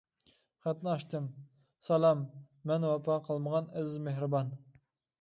خەتنى ئاچتىم: سالام، مەن ۋاپا قىلمىغان ئەزىز مېھرىبان!